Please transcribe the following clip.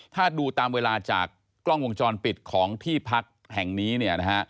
ถ้าดูตามเวลาจากกล้องวงจรปิดของที่พักแห่งนี้เนี่ยนะฮะ